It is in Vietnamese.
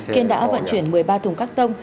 kiên đã vận chuyển một mươi ba thùng cắt tông